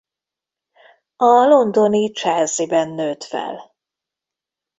A londoni Chelsea-ben nőtt fel.